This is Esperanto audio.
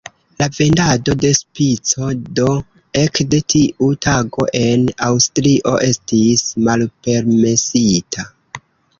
La vendado de "Spico" do ekde tiu tago en Aŭstrio estis malpermesita.